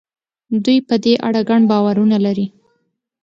دوی په دې اړه ګڼ باورونه لري.